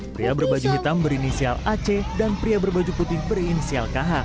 pria berbaju hitam berinisial ac dan pria berbaju putih berinisial kh